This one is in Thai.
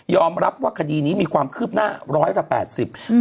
รับว่าคดีนี้มีความคืบหน้าร้อยละแปดสิบอืม